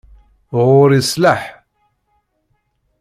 Ɣur-i sslaḥ.